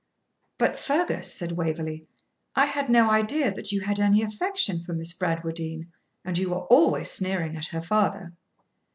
'But, Fergus,' said Waverley, 'I had no idea that you had any affection for Miss Bradwardine, and you are always sneering at her father.'